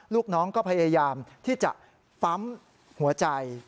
ลูกน้องก็พยายามที่จะปั๊มหัวใจ